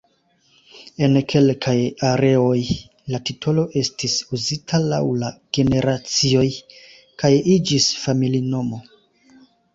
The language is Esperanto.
En kelkaj areoj, la titolo estis uzita laŭ la generacioj, kaj iĝis familinomo.